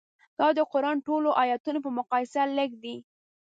دا د قران ټولو ایتونو په مقایسه لږ دي.